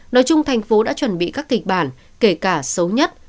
nói chung thành phố đã chuẩn bị các kịch bản kể cả xấu nhất